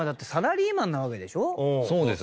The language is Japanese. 「そうです」。